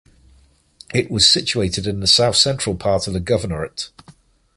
It was situated in the southcentral part of the governorate.